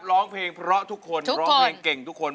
ร้องเพลงเพราะทุกคนร้องเพลงเก่งทุกคน